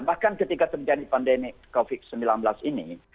bahkan ketika terjadi pandemi covid sembilan belas ini